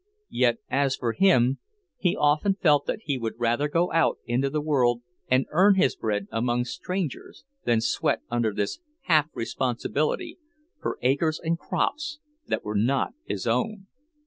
Yet, as for him, he often felt that he would rather go out into the world and earn his bread among strangers than sweat under this half responsibility for acres and crops that were not his own.